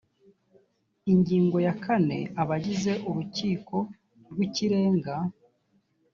ingingo ya kane abagize urukiko rw ikirenga